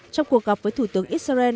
trong cuộc gặp với thủ tướng israel